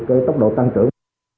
cái tốc độ tăng trưởng